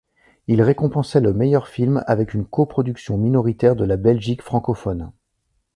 Il récompensait le meilleur film avec une coproduction minoritaire de la Belgique francophone.